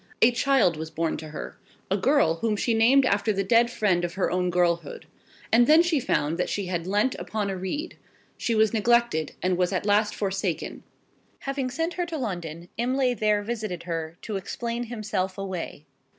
A child was born to her a girl whom she named after the dead friend of her own girlhood. And then she found that she had leant upon a reed. She was neglected; and was at last forsaken. Having sent her to London, Imlay there visited her, to explain himself away.